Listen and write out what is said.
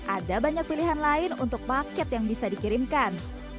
ada banyak pilihan lain untuk paket yang bisa dikirimkan